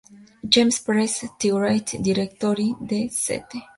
James Press, The Writers Directory de St.